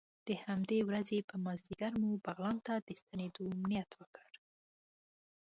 د همدې ورځې په مازدیګر مو بغلان ته د ستنېدو نیت وکړ.